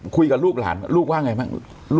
คุยกันกับลูกหลานลูกว่าไงมั้ง